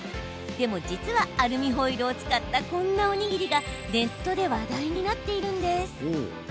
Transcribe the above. でも実は、アルミホイルを使ったこんなおにぎりがネットで話題になっているんです。